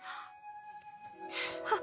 あっ。